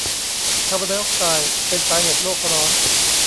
คาร์บอนไดออกไซด์เป็นสาเหตุโลกร้อน